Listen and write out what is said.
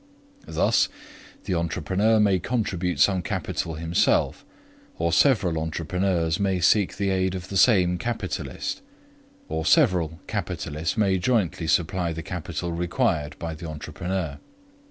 Thus, the entrepreneur may contribute some capital himself, or several entrepreneurs may seek the aid of the same capitalist, or several capitalists may jointly supply the capital required by the entrepreneur.